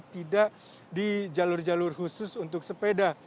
tidak di jalur jalur khusus untuk sepeda